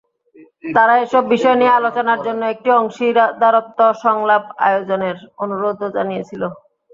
তারা এসব বিষয় নিয়ে আলোচনার জন্য একটি অংশীদারত্ব সংলাপ আয়োজনের অনুরোধও জানিয়েছিল।